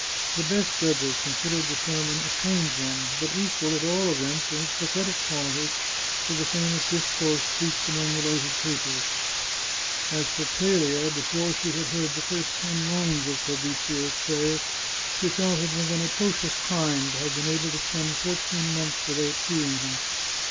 The best judges con sidered the sermon a strange one, but equal, at all events, in its pathetic qualities, to the famous discourse preached among the lighted tapers. As for Clelia, before she had heard the first ten lines of Fabrizio's prayer, she felt it was an atrocious crime to have been able to spend fourteen 527 The Chartreuse of Parma months without seeing him.